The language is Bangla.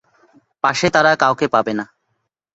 পাশে তারা কাউকে পাবে না।